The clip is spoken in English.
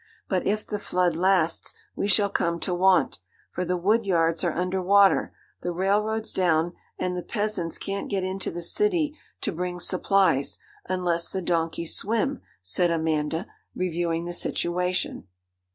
But if the flood lasts, we shall come to want; for the wood yards are under water, the railroads down, and the peasants can't get into the city to bring supplies, unless the donkeys swim,' said Amanda, reviewing the situation.